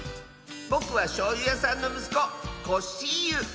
ぼくはしょうゆやさんのむすこコッシーユ。